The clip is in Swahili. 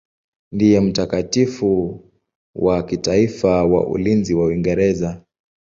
Ndiye mtakatifu wa kitaifa wa ulinzi wa Uingereza.